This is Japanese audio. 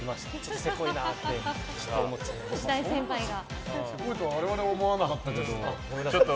せこいとは我々、思わなかったけど。